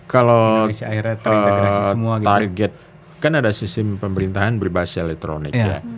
kalau target kan ada sistem pemerintahan berbahasa elektronik ya